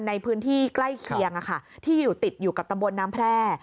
ในพื้นที่ใกล้เคียงที่อยู่ติดอยู่กับตำบลน้ำแพร่